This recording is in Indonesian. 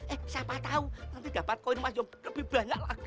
eh siapa tahu nanti dapat koin maju lebih banyak lagi